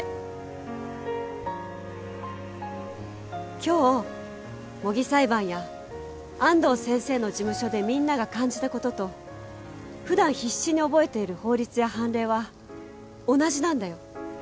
今日模擬裁判や安藤先生の事務所でみんなが感じたことと普段必死に覚えている法律や判例は同じなんだよ。